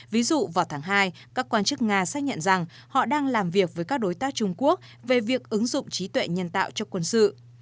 ví dụ vào tháng hai các quan chức nga xác nhận rằng họ đang làm việc với các đối tác trung quốc về việc ứng dụng trí tuệ nhân tạo cho quân sự